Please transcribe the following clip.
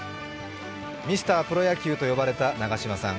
ミスタープロ野球と呼ばれた長嶋さん。